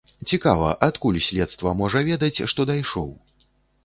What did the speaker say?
Цікава, адкуль следства можа ведаць, што дайшоў?